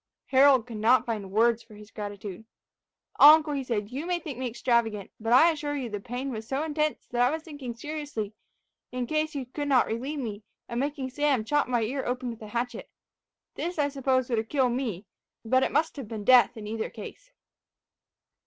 Harold could not find words for his gratitude. "Uncle," said he, "you may think me extravagant, but I assure you the pain was so intense, that I was thinking seriously, in case you could not relieve me, of making Sam chop my ear open with a hatchet. This I suppose would have killed me; but it must have been death in either case."